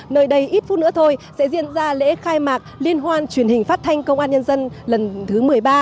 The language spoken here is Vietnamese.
nơi đây ít phút nữa thôi sẽ diễn ra lễ khai mạc liên hoan truyền hình phát thanh công an nhân dân lần thứ một mươi ba